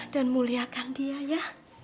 dan muliakan dia ya